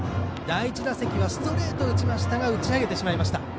第１打席はストレートを打ち上げてしまいました。